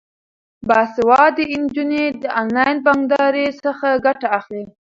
باسواده نجونې د انلاین بانکدارۍ څخه ګټه اخلي.